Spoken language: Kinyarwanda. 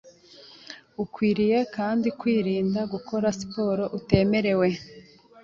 Ukwiriye kandi kwirinda gukora siporo utemerewe